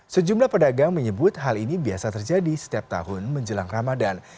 sejumlah pedagang menyebut hal ini biasa terjadi setiap tahun menjelang ramadan